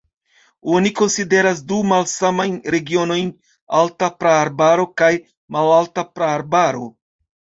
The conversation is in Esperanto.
Oni konsideras du malsamajn regionojn: alta praarbaro kaj malalta praarbaro.